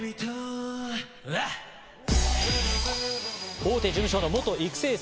大手事務所の元育成生。